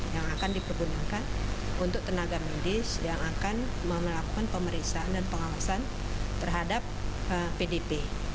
yang akan dipergunakan untuk tenaga medis yang akan melakukan pemeriksaan dan pengawasan terhadap pdp